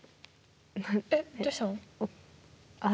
えっどうしたの？